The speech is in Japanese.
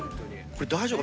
これ。